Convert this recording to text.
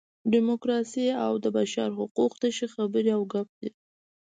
ډیموکراسي او د بشر حقوق تشې خبرې او ګپ دي.